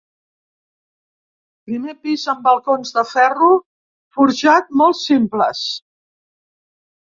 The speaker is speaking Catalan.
Primer pis amb balcons de ferro forjat molt simples.